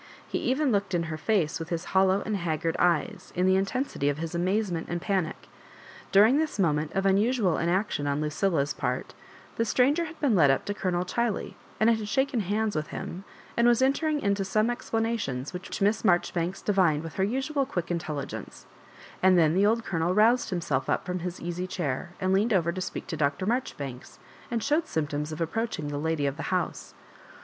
He even looked in her &ce with his hollow and haggard ^es, m the intensity of his amazement and panic During this moment of unusual inaction on Lu cilla's part, the stranger had been led up to Colo nel Chiley, and had shaken hands with him, and was entering into some explanations which Miss Maijoribanks divined with her usual quick intel ligence; and then the old Colonel roused himself up from his easy chair, and leaned over to speak to Dr. Marjoribanks, and showed symptoms of * approaching the lady of the house.